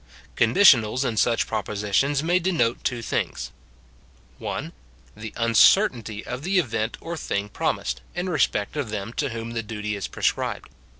Conditionals in such propositions may denote two things :— (1.) The uncertainty of the event or thing promised, in respect of them to whom the duty is prescribed.